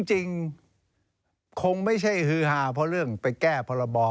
จริงคงไม่ใช่ฮือฮาเพราะเรื่องไปแก้พรบ